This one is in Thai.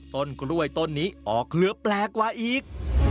ต้นกล้วยต้นนี้ออกเคลือแปลกกว่าอีก